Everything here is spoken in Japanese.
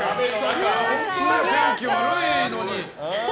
天気悪いのに。